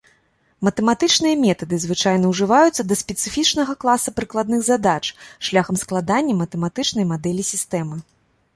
Матэматычныя метады звычайна ўжываюцца да спецыфічнага класа прыкладных задач шляхам складання матэматычнай мадэлі сістэмы.